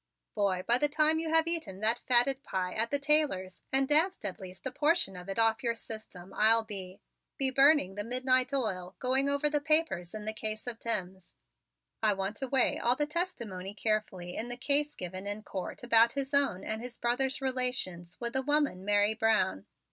"Boy, by the time you have eaten that fatted pie at the Taylors' and danced at least a portion of it off of your system I'll be be burning the midnight oil going over the papers in the case of Timms. I want to weigh all the testimony carefully in the case given in Court about his own and his brother's relations with the woman Mary Brown.